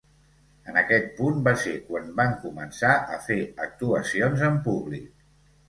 En aquest punt, va ser quan van començar a fer actuacions en públic.